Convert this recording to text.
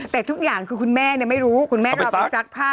แต่ทุกอย่างคือคุณแม่ไม่รู้คุณแม่ก็เอาไปซักผ้า